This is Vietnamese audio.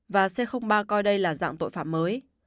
và c ba coi đây là dạng tội phạm mới